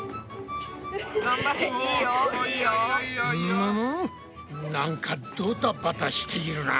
むむむなんかドタバタしているな。